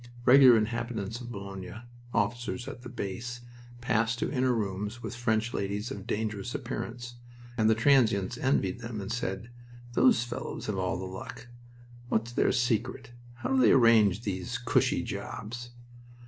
Regular inhabitants of Boulogne, officers at the base, passed to inner rooms with French ladies of dangerous appearance, and the transients envied them and said: "Those fellows have all the luck! What's their secret? How do they arrange these cushie jobs?"